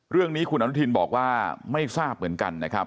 เรื่องนี้คุณอนุทินบอกว่าไม่ทราบเหมือนกันนะครับ